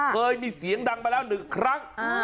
เคยมีเสียงดังไปแล้วหนึ่งครั้ง